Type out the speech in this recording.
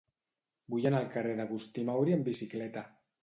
Vull anar al carrer d'Agustí Mauri amb bicicleta.